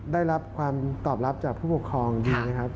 ได้รับความตอบรับจากผู้ปกครองดีนะครับ